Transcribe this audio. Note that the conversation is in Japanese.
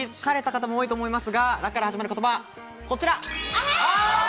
皆さん、気づかれた方も多いと思いますが、「ラ」から始まる言葉、こちら。